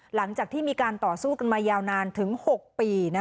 หลังจากที่มีการต่อสู้กันมายาวนานถึง๖ปี